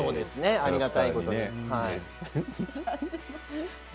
ありがたいことにね。